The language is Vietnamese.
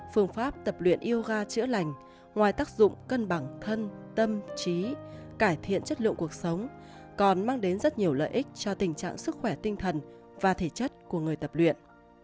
phương pháp tập luyện yoga chữa lành ngoài tác dụng cân bằng thân tâm trí cải thiện chất lượng cuộc sống còn mang đến rất nhiều lợi ích cho tình trạng sức khỏe tinh thần và thể chất của người tập luyện